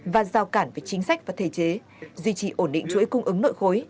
và giao cản về chính sách và thể chế duy trì ổn định chuỗi cung ứng nội khối